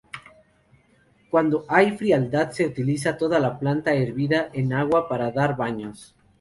Cuando hay frialdad se utiliza toda la planta hervida en agua para dar baños.